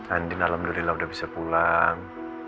andin alhamdulillah sudah bisa pulang